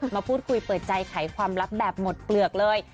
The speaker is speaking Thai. มาพูดคุยเปิดใจไขความลับแบบหมดเปลือกเลย